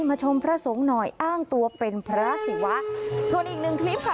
ชมพระสงฆ์หน่อยอ้างตัวเป็นพระศิวะส่วนอีกหนึ่งคลิปค่ะ